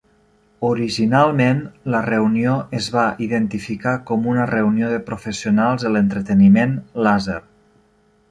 Originalment, la reunió es va identificar com una reunió de Professionals de l'entreteniment làser.